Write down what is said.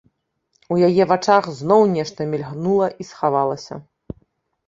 У яе вачах зноў нешта мільгнула і схавалася.